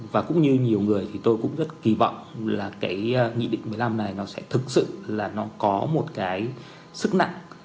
và cũng như nhiều người thì tôi cũng rất kỳ vọng là cái nghị định một mươi năm này nó sẽ thực sự là nó có một cái sức nặng